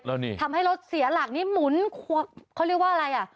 แล้วนี่ทำให้รถเสียหลักนี่หมุนเขาเรียกว่าอะไรอ่ะ